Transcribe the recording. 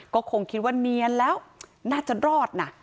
ก็คงคิดว่าเนียนแล้วน่าจะรอดนะ